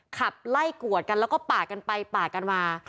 ขับไล่กวดกันแล้วก็ปาดกันไปปาดกันมา